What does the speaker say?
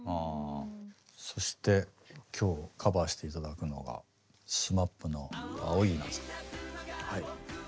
そして今日カバーしていただくのがＳＭＡＰの「青いイナズマ」。